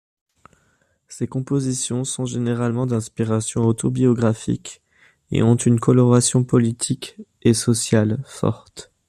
Ses compositions sont généralement d'inspiration auto-biographique et ont une coloration politique et sociale forte.